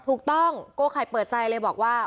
ถูกต้องก้โกข่ายเปิดใจเลยบอกว่า